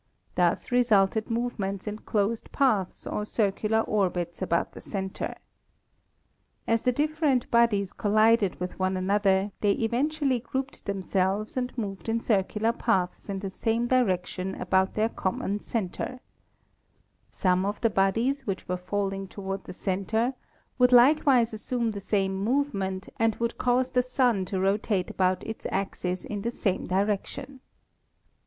Thus resulted movements in closed paths or cir cular orbits about the center. As the different bodies collided with one another they eventually grouped them selves and moved in circular paths in the same direction about their common center. Some of the bodies which were falling toward the center would likewise assume the same movement and would cause the Sun to rotate about its axis in the same direction.